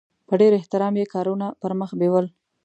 په ډېر احترام یې کارونه پرمخ بیول.